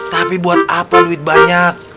tapi buat apa duit banyak